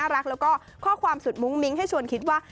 รักแล้วก็ข้อความสุดมุ้งมิ้งให้ชวนคิดว่า